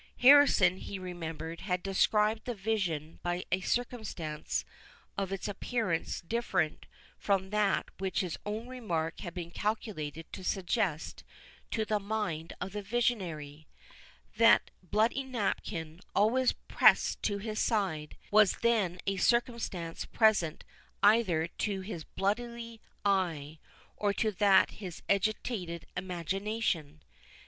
Harrison, he remembered, had described the vision by a circumstance of its appearance different from that which his own remark had been calculated to suggest to the mind of the visionary;—that bloody napkin, always pressed to the side, was then a circumstance present either to his bodily eye, or to that of his agitated imagination.